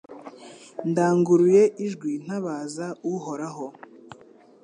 Ndanguruye ijwi ntabaza Uhoraho